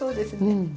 うん。